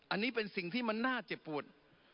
อันนี้เป็นสิ่งที่มันน่าเจ็บปวด